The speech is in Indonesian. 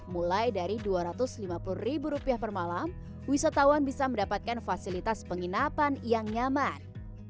mulai dari dua ratus lima puluh ribu rupiah per malam wisatawan bisa mendapatkan fasilitas penginapan yang nyaman